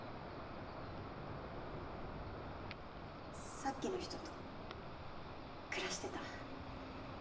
さっきの人と暮らしてた。